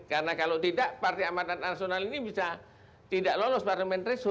karena kalau tidak partai amat nanasional ini bisa tidak lolos pr dua ratus dua belas